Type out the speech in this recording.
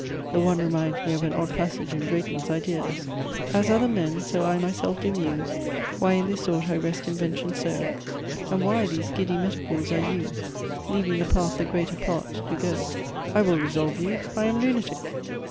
The one reminds me of an odd passage in Drayton's IDEAS As other men, so I myself do muse, Why in this sort I wrest invention so; And why these giddy metaphors I use, Leaving the path the greater part do go; I will resolve you: I am lunatic!